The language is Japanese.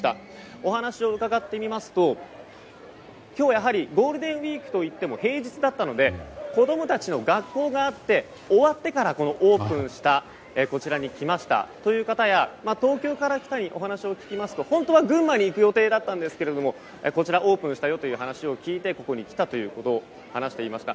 お話を伺ってみますと今日、やはりゴールデンウィークといっても平日だったので子供たちの学校があって終わってから、オープンしたこちらに来ましたという方や東京から来た方にお話を聞きますと本当は群馬に行く予定だったんですけれどもこちらがオープンしたという話を聞いてきたというお話をしていました。